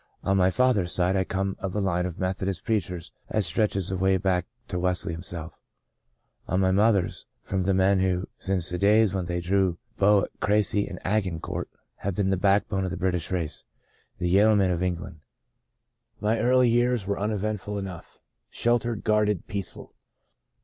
On my father's side I come of a line of Methodist preachers that stretches away back to Wesley himself ; on my mother's, from the men who, since the days when they drew bow at Crecy and Agincourt, have been the backbone of the British race — the yeomen of England. My early years were uneventful enough — sheltered, guarded, peaceful.